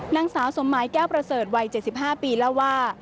นางสาวสมหมายแก้วประเสริฐวัย๗๕ปีเล่าว่า